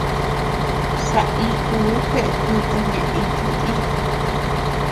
Saíkuu jeʼet yuta ñeʼe iti nì.